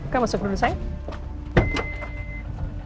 kak masuk dulu sayang